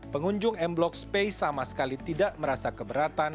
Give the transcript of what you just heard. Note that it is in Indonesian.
pengunjung m block space sama sekali tidak merasa keberatan